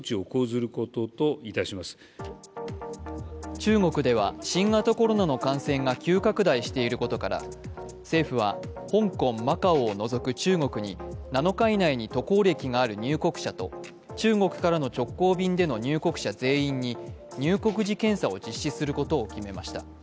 中国では新型コロナの感染が急拡大していることから、政府は香港・マカオを除く中国に、７日以内に渡航歴がある入国者と中国からの直行便での入国者全員に入国時検査を実施することを決めました。